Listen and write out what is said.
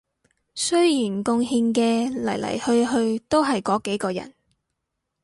雖然貢獻嘅來來去去都係嗰幾個人